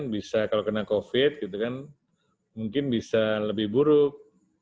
bisa kalau kena covid mungkin bisa lebih buruk